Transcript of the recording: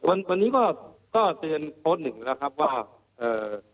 วันนี้ก็ก็เตือนโค้ดหนึ่งแล้วครับว่าเอ่อ